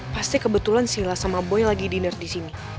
pasti kebetulan silla sama boy lagi diner di sini